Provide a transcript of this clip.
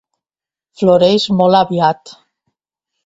Floreix molt aviat.